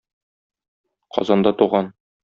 Казанда туган.